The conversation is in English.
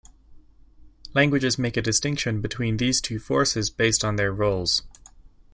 Languages make a distinction between these two forces based on their roles.